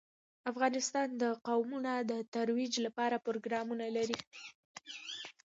افغانستان د قومونه د ترویج لپاره پروګرامونه لري.